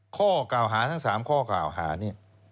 ข้อเก่าหาทั้ง๓ข้อเก่าหานี่